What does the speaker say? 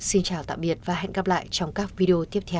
xin chào tạm biệt và hẹn gặp lại trong các video tiếp theo